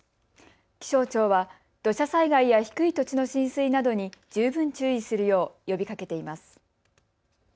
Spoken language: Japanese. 気象庁は土砂災害や低い土地の浸水などに十分注意するよう呼びかけています。